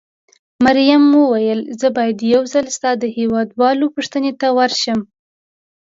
مريم وویل: زه باید یو ځل ستا د هېواد والاو پوښتنې ته ورشم.